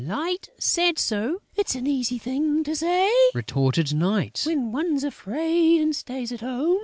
"Light said so...." "It's an easy thing to say," retorted Night, "when one's afraid and stays at home!"